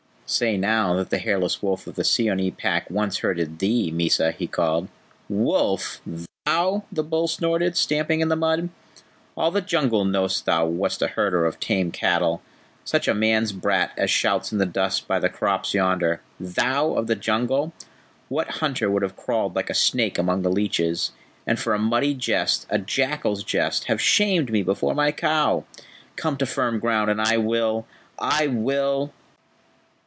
"Say now that the hairless wolf of the Seeonee Pack once herded thee, Mysa," he called. "Wolf! THOU?" the bull snorted, stamping in the mud. "All the jungle knows thou wast a herder of tame cattle such a man's brat as shouts in the dust by the crops yonder. THOU of the Jungle! What hunter would have crawled like a snake among the leeches, and for a muddy jest a jackal's jest have shamed me before my cow? Come to firm ground, and I will I will..."